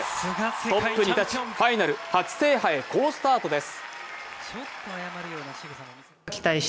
トップに立ち、ファイナル初制覇へ好スタートです。